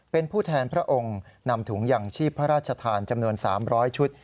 เป็นผู้แทนพระองค์นำถุงยังชีพพระราชทานจำนวน๓๐๐ชุด